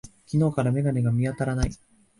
昨日から眼鏡が見当たらない。